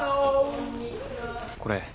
これ。